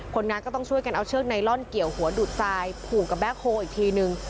คนงานก็ต้องช่วยกันเอาเชือกไนลอนเกี่ยวหัวดูดทรายผูกกับแบ็คโฮอีกทีนึง